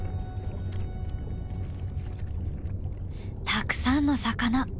たくさんの魚。